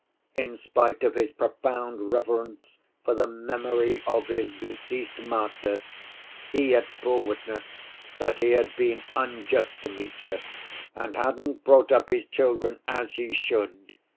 In spite of his profound reverence for the memory of his deceased master, he yet bore witness that he had been unjust to Mitya and "hadn't brought up his children as he should.